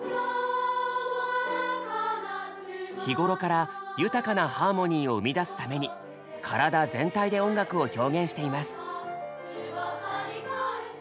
日頃から豊かなハーモニーを生み出すために体全体で音楽を表現しています。